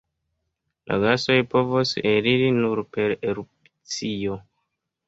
La gasoj povos eliri nur per erupcio.